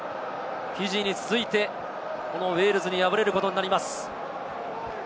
ウェールズ、フィジーに続いて、ウェールズに敗れることになりま